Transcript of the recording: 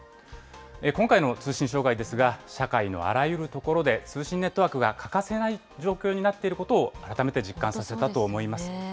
今回の通信障害ですが、社会のあらゆるところで通信ネットワークが欠かせない状況になっていることを改めて実感させたと思います。